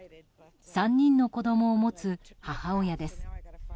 ３人の子供を持つ母親です。